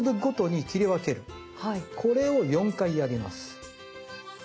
これを４回やります。